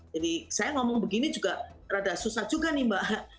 jadi saya ngomong begini juga rada susah juga nih mbak